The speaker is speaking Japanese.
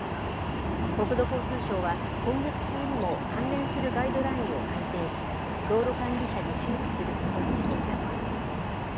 国土交通省は、今月中にも関連するガイドラインを改定し、道路管理者に周知することにしています。